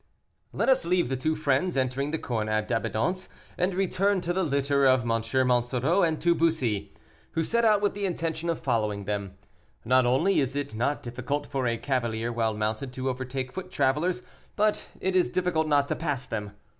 Let us leave the two friends entering the Corne d'Abondance, and return to the litter of M. Monsoreau and to Bussy, who set out with the intention of following them. Not only is it not difficult for a cavalier well mounted to overtake foot travelers, but it is difficult not to pass them.